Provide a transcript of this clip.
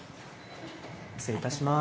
失礼いたします。